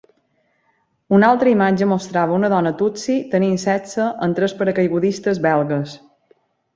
Una altra imatge mostrava una dona tutsi tenint sexe amb tres paracaigudistes belgues.